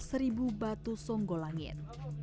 seribu batu songgolangit